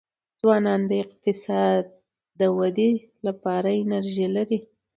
ځوانان د اقتصاد د ودې لپاره انرژي لري.